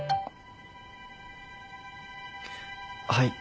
はい。